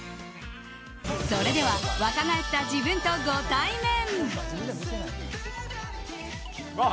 それでは、若返った自分とご対面。